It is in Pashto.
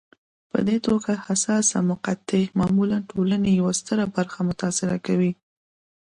په دې توګه حساسه مقطعه معمولا ټولنې یوه ستره برخه متاثره کوي.